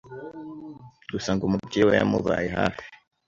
gusa ngo umubyeyi we yamubaye hafi